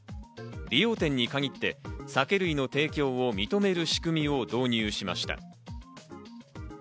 利用店に限って酒類の提供を認める仕組みを導入しました。